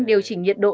điều chỉnh nhiệt độ